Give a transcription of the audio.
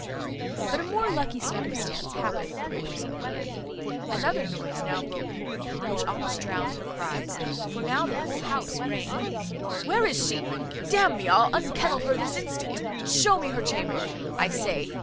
But a more lucky circumstance happened for poor Sophia; another noise now broke forth, which almost drowned her cries; for now the whole house rang with, "Where is she? D n me, I'll unkennel her this instant. Show me her chamber, I say.